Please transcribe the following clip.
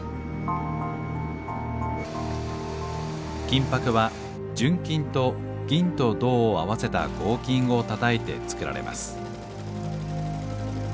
金箔は純金と銀と銅を合わせた合金をたたいて作られます